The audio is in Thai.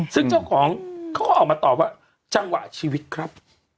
ซึ่งเจ้าของเขาก็ออกมาตอบว่าจังหวะชีวิตครับ